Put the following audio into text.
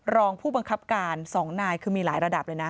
รองผู้บังคับการ๒นายคือมีหลายระดับเลยนะ